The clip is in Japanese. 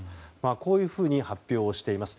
こういうふうに発表しています。